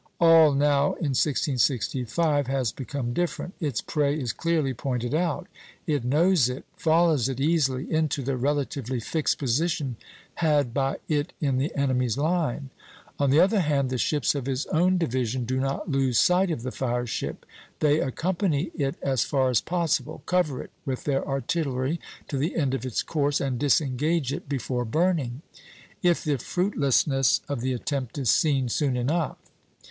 All now, in 1665, has become different. Its prey is clearly pointed out; it knows it, follows it easily into the relatively fixed position had by it in the enemy's line. On the other hand, the ships of his own division do not lose sight of the fire ship. They accompany it as far as possible, cover it with their artillery to the end of its course, and disengage it before burning, if the fruitlessness of the attempt is seen soon enough.